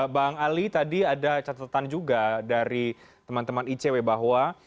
bang ali tadi ada catatan juga dari teman teman icw bahwa